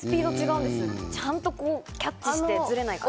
ちゃんとキャッチして、ずれない感じ。